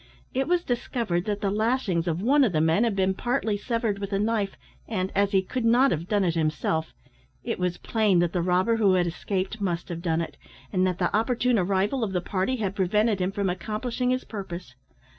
It was discovered that the lashings of one of the men had been partly severed with a knife, and, as he could not have done it himself, it was plain that the robber who had escaped must have done it, and that the opportune arrival of the party had prevented him from accomplishing his purpose.